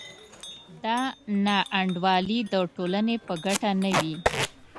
دا نا انډولي د ټولنې په ګټه نه وي.